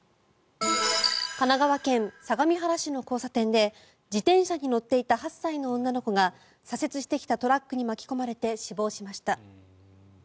神奈川県相模原市の交差点で自転車に乗っていた８歳の女の子が左折してきたトラックに巻き込まれて、死亡しました。